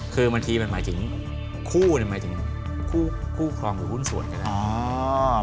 คือบางทีมันหมายถึงคู่หมายถึงคู่ครองหรือหุ้นส่วนก็ได้